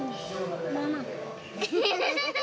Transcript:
まあまあ。